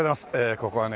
ここはね